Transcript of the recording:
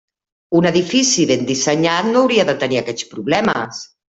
Un edifici ben dissenyat no hauria de tenir aquests problemes.